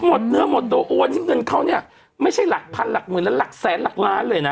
หมดเนื้อหมดตัวโอนที่เงินเขาเนี่ยไม่ใช่หลักพันหลักหมื่นและหลักแสนหลักล้านเลยนะ